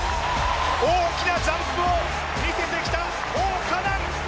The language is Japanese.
大きなジャンプを見せてきた王嘉男。